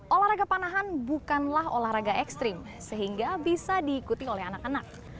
olahraga panahan bukanlah olahraga ekstrim sehingga bisa diikuti oleh anak anak